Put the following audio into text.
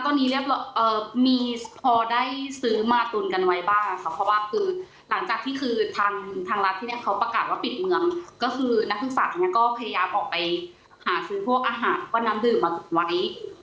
ตอนนี้มีพอได้ซื้อมาตุนกันไว้บ้างค่ะเพราะว่าคือหลังจากที่คือทางทางรัฐที่เนี่ยเขาประกาศว่าปิดเมืองก็คือนักศึกษาเนี่ยก็พยายามออกไปหาซื้อพวกอาหารก็น้ำดื่มมาตุ๋นไว้